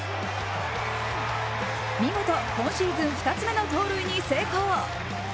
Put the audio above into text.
見事、今シーズン２つ目の盗塁に成功。